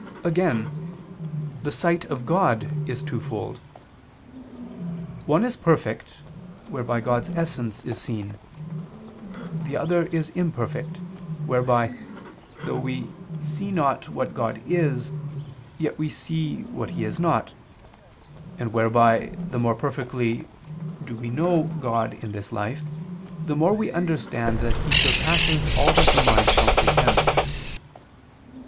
Again, the sight of God is twofold. One is perfect, whereby God's Essence is seen: the other is imperfect, whereby, though we see not what God is, yet we see what He is not; and whereby, the more perfectly do we know God in this life, the more we understand that He surpasses all that the mind comprehends.